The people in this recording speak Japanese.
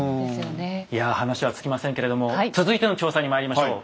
いや話は尽きませんけれども続いての調査にまいりましょう。